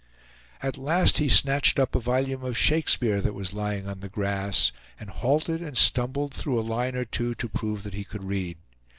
At last he snatched up a volume of Shakespeare that was lying on the grass, and halted and stumbled through a line or two to prove that he could read.